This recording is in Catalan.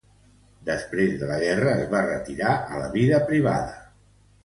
Després de la guerra es va retirar a la vida privada.